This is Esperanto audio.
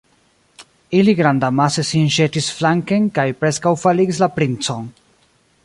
Ili grandamase sin ĵetis flanken kaj preskaŭ faligis la princon.